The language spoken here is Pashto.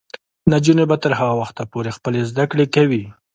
نجونې به تر هغه وخته پورې خپلې زده کړې کوي.